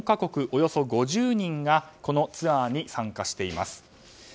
およそ５０人がこのツアーに参加しています。